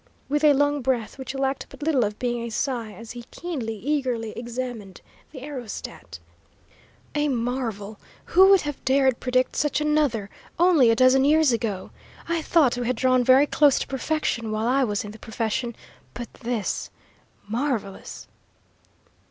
with a long breath which lacked but little of being a sigh, as he keenly, eagerly examined the aerostat. "A marvel! Who would have dared predict such another, only a dozen years ago? I thought we had drawn very close to perfection while I was in the profession, but this, marvellous!"